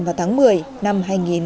vào tháng một mươi năm hai nghìn một mươi